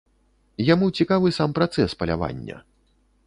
Яму цікавы сам працэс палявання.